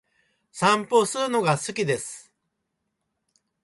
散歩するのが好きです。